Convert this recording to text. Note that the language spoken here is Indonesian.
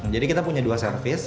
jadi kita punya dua service